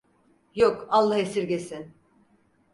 Yok, Allah esirgesin.